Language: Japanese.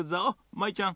舞ちゃん